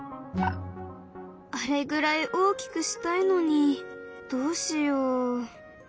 あれぐらい大きくしたいのにどうしよう。